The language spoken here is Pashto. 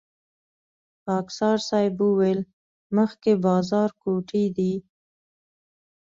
خاکسار صیب وويل مخکې بازارګوټی دی.